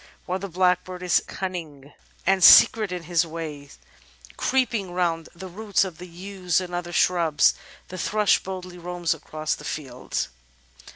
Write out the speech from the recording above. While the Blackbird is cimning and secret in his ways, creeping round the roots of the yews and other shrubs, the Thrush boldly roams across the fields.